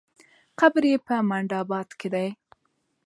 قبر یې په منډآباد کې دی.